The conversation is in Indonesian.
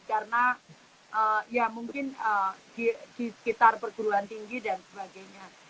karena mungkin di sekitar perguruan tinggi dan sebagainya